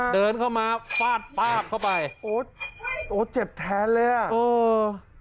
เดินเข้ามาฟาดป๊าบเข้าไปโอ้โอ้เจ็บแทนเลยอ่ะเออ